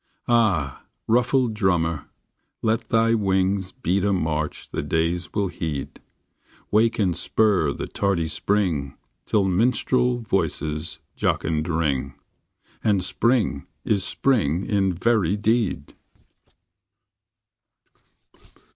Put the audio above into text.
Ah! ruffled drummer, let thy wings Beat a march the days will heed, Wake and spur the tardy spring, Till minstrel voices jocund ring, And spring is spring in very deed.